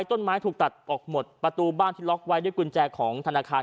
ต้นไม้ถูกตัดออกหมดประตูบ้านที่ล็อกไว้ด้วยกุญแจของธนาคาร